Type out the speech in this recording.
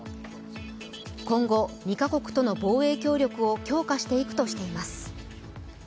今後、２カ国との防衛協力を強化していくとしています。